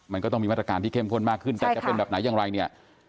มันก็ต้องมีมาตรการที่เข้มข้นมากขึ้นแต่จะเป็นแบบไหนอย่างไรเนี่ย